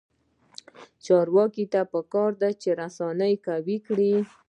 چارواکو ته پکار ده چې، رسنۍ قوي کړي.